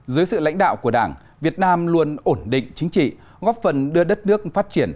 dưới sự lãnh đạo của đảng việt nam luôn ổn định chính trị góp phần đưa đất nước phát triển